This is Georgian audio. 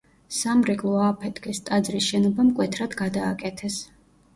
სამრეკლო ააფეთქეს, ტაძრის შენობა მკვეთრად გადააკეთეს.